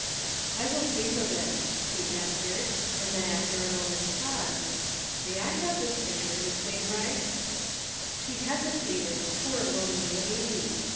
" I will think of it," he answered ; and then after a moment's pause, " May I have this picture, Miss Wainwright ?" She hesitated, poor lonely lady